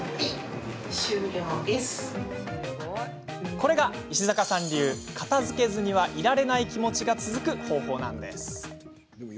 これが石阪さん流片づけずにはいられない気持ちが続く方法なんです。